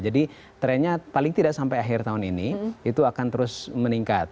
jadi trennya paling tidak sampai akhir tahun ini itu akan terus meningkat